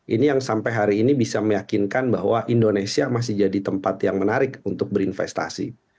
ini yang sampai hari ini bisa meyakinkan bahwa indonesia masih jadi tempat yang menarik untuk berinvestasi